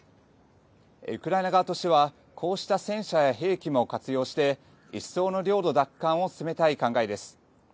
ウクライナ側としてはこうした戦車や兵器も活用して一層の領土奪還を進めたい考えです。